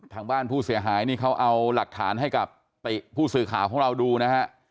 ทางบ้านผู้เสียหายนี่เขาเอาหลักฐานให้กับติผู้สื่อข่าวของเราดูนะฮะ